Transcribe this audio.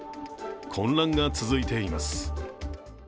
混乱が続いています。